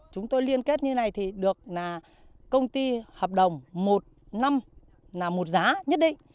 chúng tôi liên kết như này thì được công ty hợp đồng một năm một giá nhất định